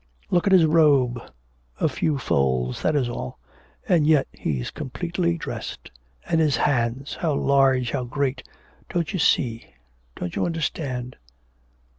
Look at his robe, a few folds, that is all, and yet he's completely dressed, and his hand, how large, how great... Don't you see, don't you understand?'